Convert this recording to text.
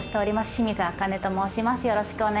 清水茜と申します。